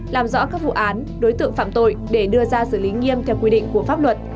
làm rõ các vụ án đối tượng phạm tội để đưa ra xử lý nghiêm theo quy định của pháp luật